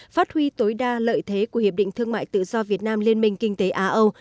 phát huy tối đa lợi thế của hiệp định thương mại tự do việt nam liên minh kinh tế á âu